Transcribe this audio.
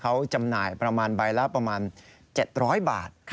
เขาจำหน่ายประมาณใบละ๗๐๐บาท